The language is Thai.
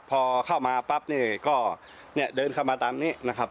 พอเข้ามาปั๊บนี่ก็เนี่ยเดินเข้ามาตามนี้นะครับ